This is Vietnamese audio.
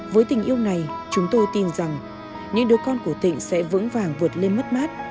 với tình yêu này chúng tôi tin rằng những đứa con của thịnh sẽ vững vàng vượt lên mất mát